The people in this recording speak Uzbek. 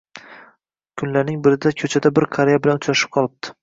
Kunlarning birida ko‘chada bir qariya bilan uchrashib qolibdi